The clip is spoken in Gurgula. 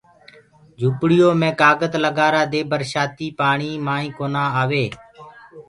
جھوپڙِيو مي ڪآگت لگآرآ دي برشآتيٚ پآڻيٚ مآئينٚ ڪونآ آوي